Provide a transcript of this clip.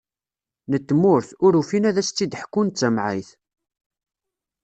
N tmurt, ur ufin ad as-tt-id-ḥkun d tamɛayt.